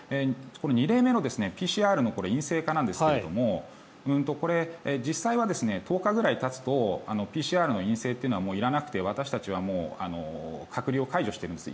２例目のＰＣＲの陰性化なんですがこれ、実際は１０日ぐらいたつとＰＣＲの陰性というのはいらなくて私たちはもう隔離を解除してるんです。